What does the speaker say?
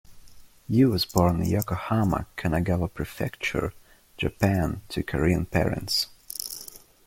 Yu was born in Yokohama, Kanagawa Prefecture, Japan, to Korean parents.